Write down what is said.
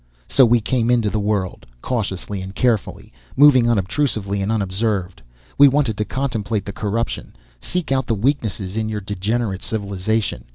"So we came into the world, cautiously and carefully, moving unobtrusively and unobserved. We wanted to contemplate the corruption, seek out the weaknesses in your degenerate civilization.